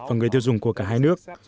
và người tiêu dùng của cả hai nước